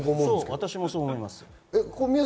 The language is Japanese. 私もそう思います。